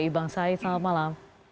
bang said selamat malam